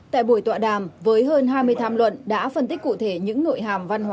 tại buổi tọa đàm với hơn hai mươi tham luận